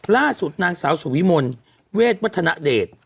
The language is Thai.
ล่าสุดนางสาวสุวิมลเวทวัฒนเดช